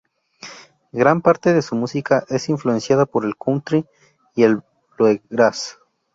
Gran parte de su música es influenciada por el Country y el bluegrass.